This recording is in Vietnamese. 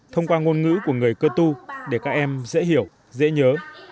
thông qua ngôn ngữ của người cơ tu để các em dễ hiểu dễ nhớ